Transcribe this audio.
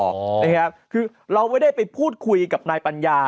นะครับคือเราไม่ได้ไปพูดคุยกับนายปัญญา